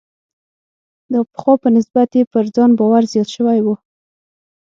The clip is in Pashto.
د پخوا په نسبت یې پر ځان باور زیات شوی و.